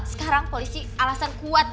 sekarang polisi alasan kuat